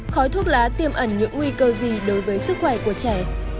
khói thuốc lá tiêm ẩn những nguy cơ gì đối với sức khỏe của trẻ